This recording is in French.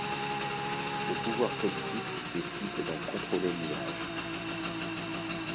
Le pouvoir politique décide d'en contrôler l'usage.